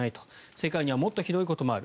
世界にはもっとひどいこともある。